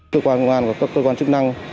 cơ quan công an và các cơ quan chức năng